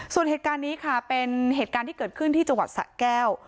ส่วนเหตุการณ์นี้ค่ะเป็นเหตุการณ์ที่เกิดขึ้นที่จังหวัดสะแก้ว